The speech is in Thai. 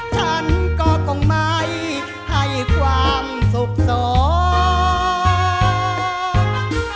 ฉันก็คงไม่ให้ความสุขสอง